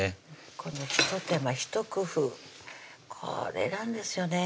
このひと手間ひと工夫これなんですよね